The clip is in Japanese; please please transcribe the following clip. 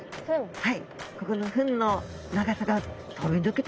はい。